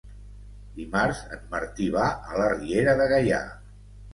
Dimarts en Martí va a la Riera de Gaià.